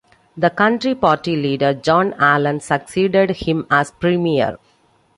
The Country Party leader, John Allan, succeeded him as Premier.